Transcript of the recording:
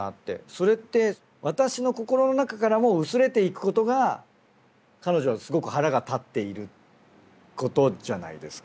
それって私の心の中からも薄れていくことが彼女はすごく腹が立っていることじゃないですか。